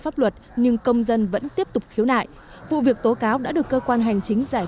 pháp luật nhưng công dân vẫn tiếp tục khiếu nại vụ việc tố cáo đã được cơ quan hành chính giải